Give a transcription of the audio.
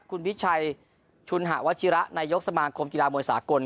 คุณวิชัยชุนหาวัชิระนายกสมาคมกีฬามวยสากล